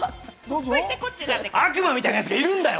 悪魔みたいなやつがいるんだよ！